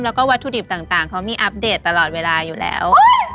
แล้วก็วัตถุดิบต่างเขามีอัปเดตตลอดเวลาอยู่แล้ว